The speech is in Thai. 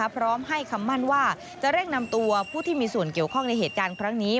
พร้อมให้คำมั่นว่าจะเร่งนำตัวผู้ที่มีส่วนเกี่ยวข้องในเหตุการณ์ครั้งนี้